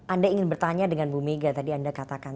anda ingin bertanya dengan bu mega tadi anda katakan